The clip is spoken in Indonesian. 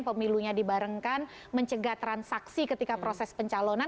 pemilunya dibarengkan mencegah transaksi ketika proses pencalonan